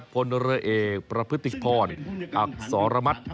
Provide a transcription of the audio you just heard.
พลเรือเอกประพฤติพออักษรมัติ